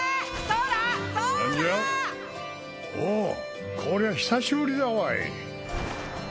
おおこりゃ久しぶりだわい